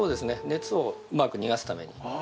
熱をうまく逃がすために。